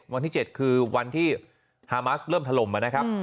วันที่เจ็ดคือวันที่เริ่มถล่มอ่ะนะครับ